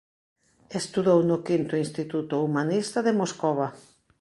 Estudou no Quinto Instituto humanista de Moscova.